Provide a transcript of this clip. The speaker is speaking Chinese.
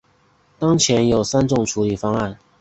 当时有三种处理方案。